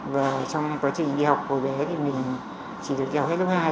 và trong quá trình đi học hồi bé thì mình chỉ được đi học hết lúc hai thôi